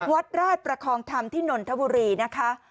วัดราชประคองธรรมที่นนทบุรีนะคะ